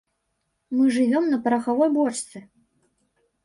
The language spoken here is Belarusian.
Мы жывём на парахавой бочцы.